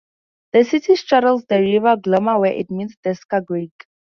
The city straddles the river Glomma where it meets the Skagerrak.